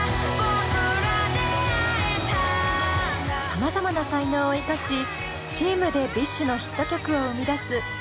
さまざまな才能を生かしチームでＢｉＳＨのヒット曲を生み出す松隈ケンタさん。